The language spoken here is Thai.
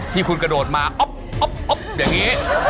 ที่คุณกระโดดมาอ๊อบอ๊อบอ๊อบอย่างงี้